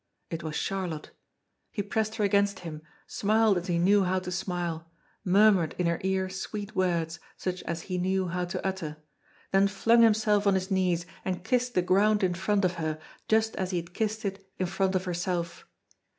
It was Charlotte! He pressed her against him, smiled as he knew how to smile, murmured in her ear sweet words, such as he knew how to utter, then flung himself on his knees and kissed the ground in front of her, just as he had kissed it in front of herself!